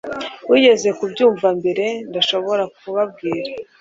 wigeze kubyumva mbere, ndashobora kubabwira